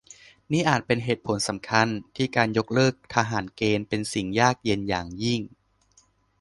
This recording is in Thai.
นี่อาจเป็นเหตุผลสำคัญที่การยกเลิกทหารเกณฑ์เป็นสิ่งยากเย็นอย่างยิ่ง